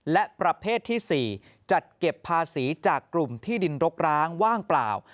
และประเภทที่๔จัดเก็บภาษีจากกลุ่มที่ดินรกร้างว่างเปล่า